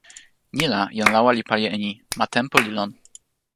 ni la, jan lawa li pali e ni: ma tenpo li lon.